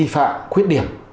các vi phạm khuyết điểm